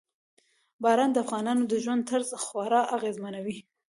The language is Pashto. باران د افغانانو د ژوند طرز خورا اغېزمنوي.